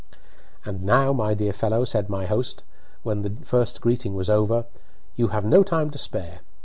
"And now, my dear fellow," said my host, when the first greeting was over, "you have no time to spare.